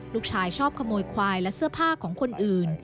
ลูกชายชอบขโมยควายและเสื้อผ้าของคนอื่น